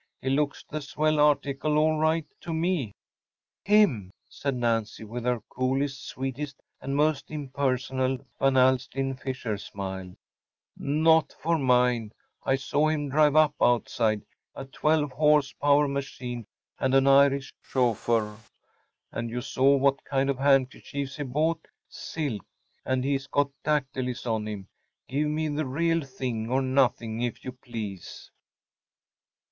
He looks the swell article, all right, to me.‚ÄĚ ‚ÄúHim?‚ÄĚ said Nancy, with her coolest, sweetest, most impersonal, Van Alstyne Fisher smile; “not for mine. I saw him drive up outside. A 12 H. P. machine and an Irish chauffeur! And you saw what kind of handkerchiefs he bought‚ÄĒsilk! And he’s got dactylis on him. Give me the real thing or nothing, if you please.